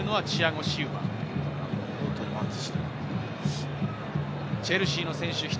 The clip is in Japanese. チェルシーの選手